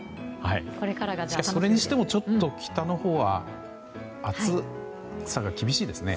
それにしてもちょっと北のほうは暑さが厳しいですね。